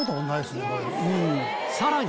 さらに